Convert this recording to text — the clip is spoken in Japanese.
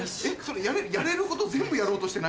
やれること全部やろうとしてない？